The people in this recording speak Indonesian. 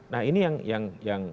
nah ini yang yang yang yang